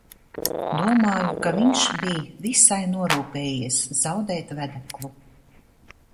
Domāju, ka viņš bij visai norūpējies zaudēt vedeklu.